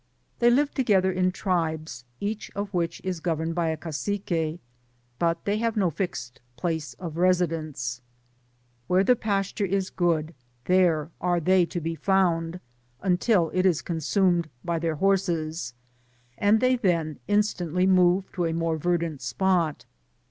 They live together in tribes, each of which is governed by a Cacique, but they have no fixed place of residence. Where the pasture is good, there are they to be found, until it is consumed by I Digitized byGoogk 114 T«B PAMPAS INDIANS. their horses^ and they then instantly move to a more verdant spot.